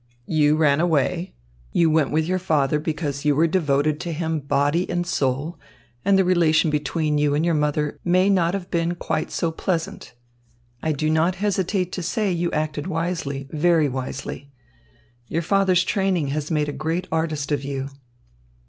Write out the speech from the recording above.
You ran away. You went with your father because you were devoted to him body and soul and the relation between you and your mother may not have been quite so pleasant. I do not hesitate to say you acted wisely, very wisely. Your father's training has made a great artist of you."